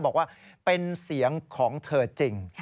บอกว่าเป็นเสียงของเธอจริง